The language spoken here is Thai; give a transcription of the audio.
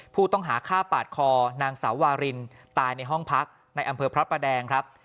ผู้ต้องหาฆ่าปาดคอนางสาววารินตายในห้องพักในอำเภอพระประแดงครับ